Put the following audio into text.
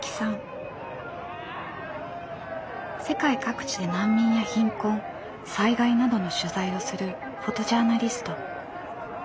世界各地で難民や貧困災害などの取材をするフォトジャーナリスト。